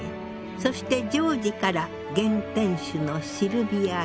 そしてジョージから現店主のシルヴィアへ。